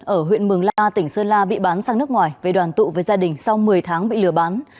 ở huyện mường la tỉnh sơn la bị bán sang nước ngoài về đoàn tụ với gia đình sau một mươi tháng bị lừa bán